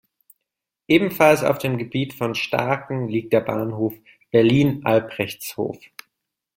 Ebenfalls auf dem Gebiet von Staaken liegt der Bahnhof Berlin-Albrechtshof.